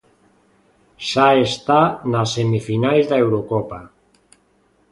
Xa está nas semifinais da Eurocopa.